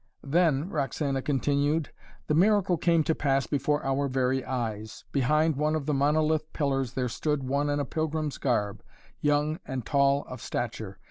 "Then," Roxana continued, "the miracle came to pass before our very eyes. Behind one of the monolith pillars there stood one in a pilgrim's garb, young and tall of stature.